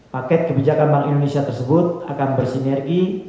paket kebijakan bank indonesia tersebut akan bersinergi